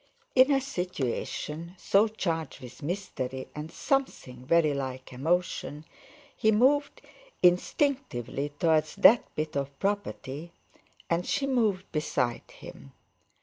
In a situation so charged with mystery and something very like emotion he moved instinctively towards that bit of property, and she moved beside him.